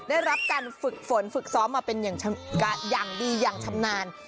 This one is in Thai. ได้รับการฝึกฝนฝึกซ้อมมาเป็นอย่างดีอย่างชำนาญ